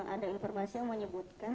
ada informasi mengamak emerge